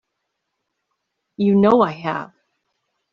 You know I have.